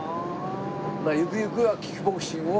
まあゆくゆくはキックボクシングを。